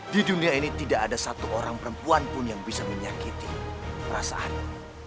di dunia ini tidak ada satu orang perempuan pun yang bisa menyakiti perasaannya